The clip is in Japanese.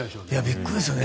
びっくりですよね。